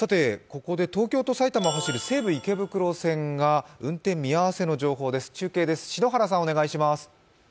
ここで東京と埼玉を走る西武池袋線が運転見合わせの情報です。